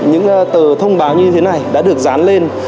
những tờ thông báo như thế này đã được dán lên